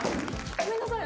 ごめんなさい。